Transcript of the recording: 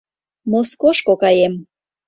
— Москошко каем.